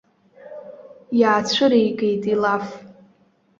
Иаацәыригеит илаф.